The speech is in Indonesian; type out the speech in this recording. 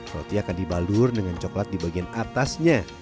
roti akan dibalur dengan coklat di bagian atasnya